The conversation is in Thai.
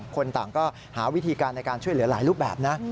คนต่างก็หาวิธีการในการช่วยเหลือหลายรูปแบบนะ